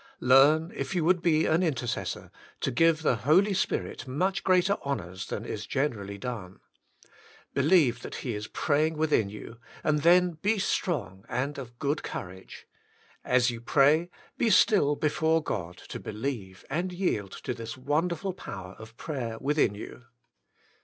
Learn, if you would be an intercessor, to give the Holy Spirit much greater honors than is generally done. Believe that He is praying within you, and then be strong and of good courage. As you pray, be still before God to believe and yield to this wonderful power of prayer within you.